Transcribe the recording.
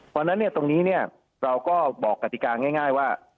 เพราะฉะนั้นตรงนี้เราก็บอกกติกาง่ายว่า